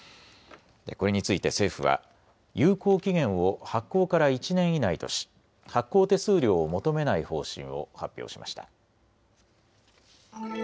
これについて政府は有効期限を発行から１年以内とし発行手数料を求めない方針を発表しました。